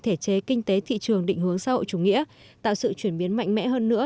thể chế kinh tế thị trường định hướng xã hội chủ nghĩa tạo sự chuyển biến mạnh mẽ hơn nữa